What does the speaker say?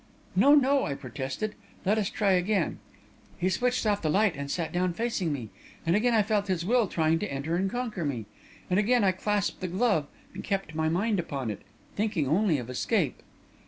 "'No, no!' I protested. 'Let us try again.' "He switched off the light and sat down facing me, and again I felt his will trying to enter and conquer me. And again I clasped the glove, and kept my mind upon it, thinking only of escape."